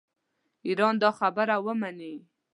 ایران دا خبره ومني.